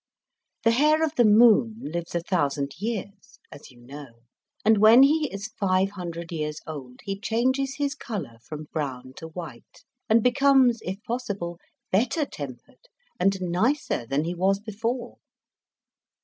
The Hare of the Moon lives a thousand years, as you know, and when he is five hundred years old he changes his colour, from brown to white, and becomes, if possible, better tempered and nicer than he was before.